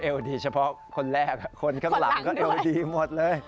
ดีเฉพาะคนแรกคนข้างหลังก็เอวดีหมดเลย